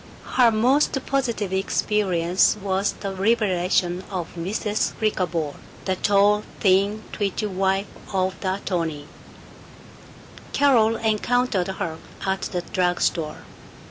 Her most positive experience was the revelation of Mrs. Flickerbaugh, the tall, thin, twitchy wife of the attorney. Carol encountered her at the drug store.